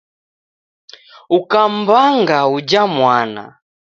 Ukamwangaa uja mwana